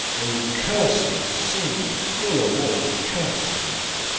O cursed sin, full of all cursedness!